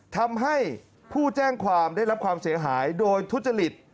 ทำให้ผู้แจ้งความได้รับความเสียหายโดยทุจริต